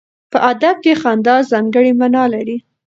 په ادب کې خندا ځانګړی معنا لري.